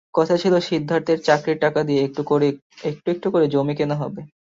কথা ছিল সিদ্ধার্থের চাকরির টাকা দিয়ে একটু একটু করে জমি কেনা হবে।